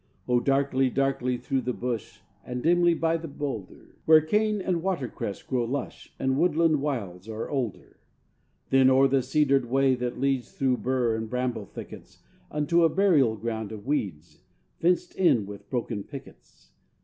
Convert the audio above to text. O darkly, darkly through the bush, And dimly by the bowlder, Where cane and water cress grow lush, And woodland wilds are older. Then o'er the cedared way that leads, Through burr and bramble thickets, Unto a burial ground of weeds Fenced in with broken pickets.